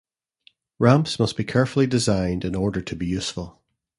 Ramps must be carefully designed in order to be useful.